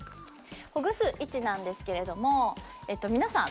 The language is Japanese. ほぐす位置なんですけれども皆さん